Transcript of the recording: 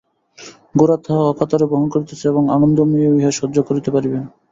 গোরা তাহা অকাতরে বহন করিতেছে এবং আনন্দময়ীও ইহা সহ্য করিতে পারিবেন।